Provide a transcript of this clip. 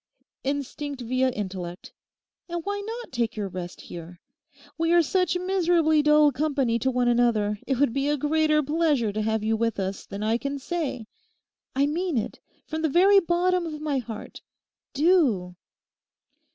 Instinct via intellect. And why not take your rest here? We are such miserably dull company to one another it would be a greater pleasure to have you with us than I can say. I mean it from the very bottom of my heart. Do!